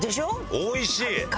おいしい！